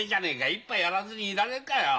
一杯やらずにいられるかよ。